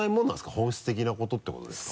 本質的なことってことですか？